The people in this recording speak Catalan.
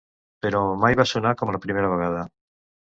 Però mai va sonar com la primera vegada.